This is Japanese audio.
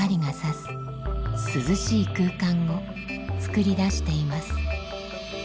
すずしい空間を作り出しています。